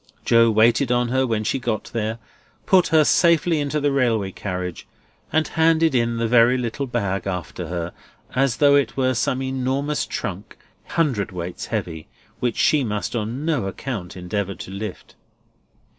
Joe waited on her when she got there, put her safely into the railway carriage, and handed in the very little bag after her, as though it were some enormous trunk, hundredweights heavy, which she must on no account endeavour to lift.